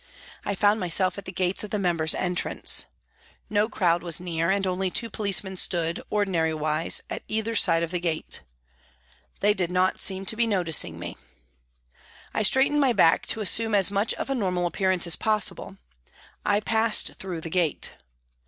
I found myself at the gates of the members' entrance. No crowd was near and only two policemen stood, ordinary wise, at either side of the gate. They did not seem to be noticing me. I straightened my back to assume as much of a normal appearance as possible. I passed through the gate.